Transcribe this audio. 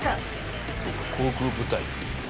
航空部隊っていう。